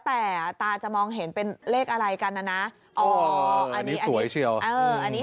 แต่ตาจะมองเห็นเป็นเลขอะไรกันนะนะอ๋ออันนี้สวยเชียวเอออันนี้